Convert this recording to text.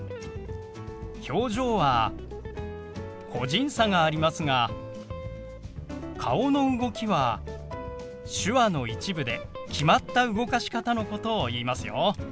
「表情」は個人差がありますが「顔の動き」は手話の一部で決まった動かし方のことを言いますよ。